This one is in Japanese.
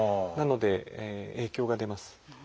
なので影響が出ます。